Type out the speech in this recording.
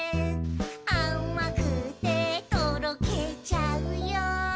「あまくてとろけちゃうよ」